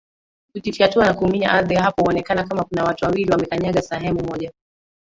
Hujifyatua na kuminya ardhi hapo huonekana kama kuna watu wawili wamekanyaga sehemu moja